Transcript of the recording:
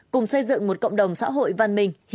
cùng xây dựng một cộng đồng xã hội văn minh